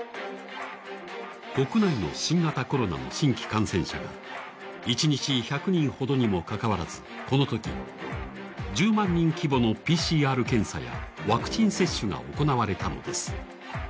国内の新型コロナの新規感染者が一日１００人ほどにもかかわらずこのとき１０万人規模のＰＣＲ検査やワクチン接種が行われたのです。